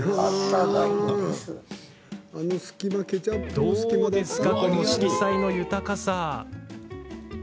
どうですか、この色彩の豊かさ。